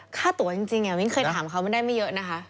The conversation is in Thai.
ค่าตัวจริงมิ้นเคยถามเขามันได้ไม่เยอะนะคะ